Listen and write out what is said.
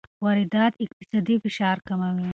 واردات اقتصادي فشار کموي.